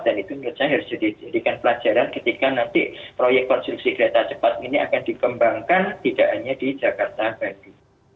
dan itu menurut saya harus dijadikan pelajaran ketika nanti proyek konstruksi kereta cepat ini akan dikembangkan tidak hanya di jakarta bali